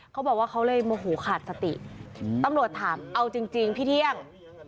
เขาบอกว่าเขาเลยโมโหขาดสติตำรวจถามเอาจริงพี่เที่ยง